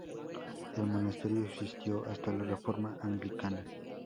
El monasterio existió hasta la Reforma anglicana.